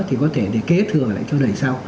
thì có thể để kế thừa lại cho đời sau